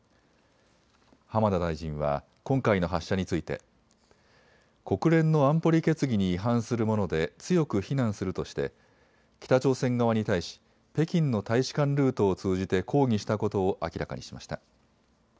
浜田大臣は今回の発射について、国連の安保理決議に違反するもので強く非難するとして北朝鮮側に対し北京の大使館ルートを通じて抗議したことを明らかにしました。